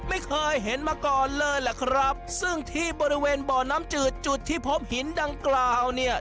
ไม่เคยเห็นมาก่อนเลยล่ะครับซึ่งที่บริเวณบ่อน้ำจืดจุดที่พบหินดังกล่าวเนี่ย